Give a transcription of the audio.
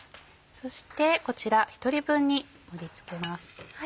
そしてこちら１人分に盛り付けます。